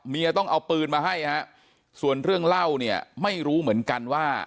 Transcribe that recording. ต้องเอาปืนมาให้ฮะส่วนเรื่องเล่าเนี่ยไม่รู้เหมือนกันว่า